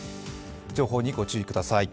情報に御注意ください。